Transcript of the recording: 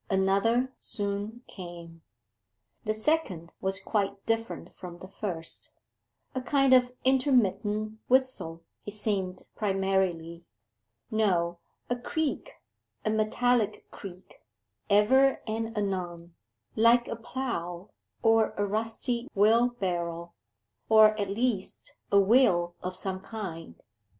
Another soon came. The second was quite different from the first a kind of intermittent whistle it seemed primarily: no, a creak, a metallic creak, ever and anon, like a plough, or a rusty wheelbarrow, or at least a wheel of some kind.